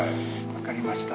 わかりました。